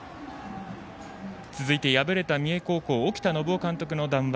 続いて敗れた三重高校沖田展男監督の談話。